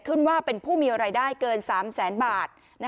ขึ้นว่าเป็นผู้มีรายได้เกิน๓แสนบาท